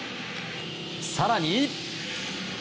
更に。